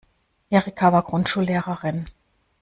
Erika war Grundschullehrerin.